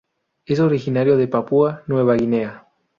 Es originario de Papúa Nueva Guinea.